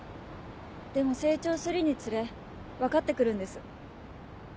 でも成長するにつれ分かってくるんです。